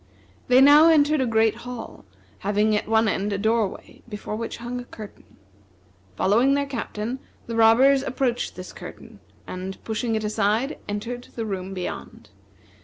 They now entered a great hall, having at one end a doorway before which hung a curtain. Following their Captain, the robbers approached this curtain, and pushing it aside, entered the room beyond.